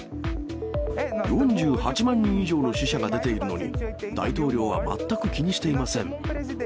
４８万人以上の死者が出ているのに、大統領は全く気にしていません。